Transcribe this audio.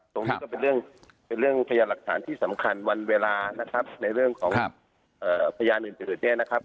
ตรงนี้ก็เป็นเรื่องเป็นเรื่องพยานหลักฐานที่สำคัญวันเวลานะครับในเรื่องของพยานอื่นเนี่ยนะครับ